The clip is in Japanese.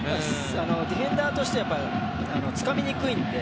ディフェンダーとしてはつかみにくいので。